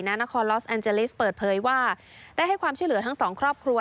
นครลอสแอนเจลิสเปิดเผยว่าได้ให้ความช่วยเหลือทั้งสองครอบครัว